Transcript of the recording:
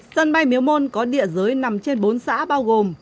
sân bay miếu môn có địa giới nằm trên bốn xã bao gồm